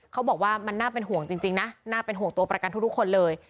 เขาบอกว่ามันน่าเป็นห่วงจริงนะน่าเป็นห่วงตัวประกันทุกคนเลย